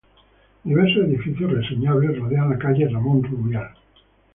Diversos edificios reseñables rodean la calle Ramón Rubial.